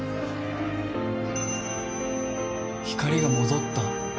光が戻った。